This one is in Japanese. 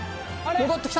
戻ってきた